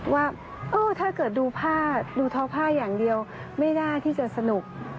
ว่าถ้าเกิดดูผ้าดูท้อผ้าอย่างเดียวไม่น่าที่จะสนุก